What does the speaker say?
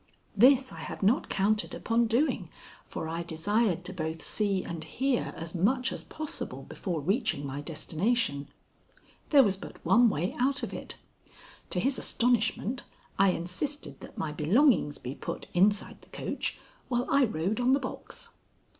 This I had not counted upon doing, for I desired to both see and hear as much as possible before reaching my destination. There was but one way out of it. To his astonishment, I insisted that my belongings be put inside the coach, while I rode on the box.